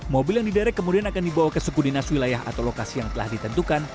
mobil yang diderek kemudian akan dibawa ke suku dinas wilayah atau lokasi yang telah ditentukan